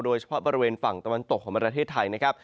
โดยเฉพาะบริเวณฝั่งตะวันตกของประเทศไทยนะครับ